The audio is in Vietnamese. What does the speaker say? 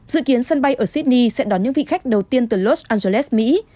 dự kiến sân bay ở sydney sẽ đón những vị khách đầu tiên từ los angeles mỹ